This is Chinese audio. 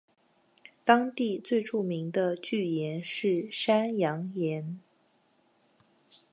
当地最著名的巨岩是山羊岩。